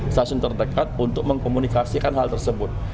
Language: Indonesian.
stasiun terdekat untuk mengkomunikasikan hal tersebut